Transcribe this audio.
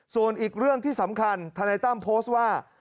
ส่วนอีกเรื่องที่สำคัญธนายตั้มโพสต์ว่า